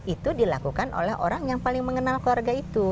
itu dilakukan oleh orang yang paling mengenal keluarga itu